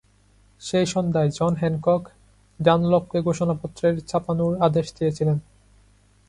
সেই সন্ধ্যায় John Hancock ডানলপকে ঘোষণাপত্রের ছাপানোর আদেশ দিয়েছিলেন।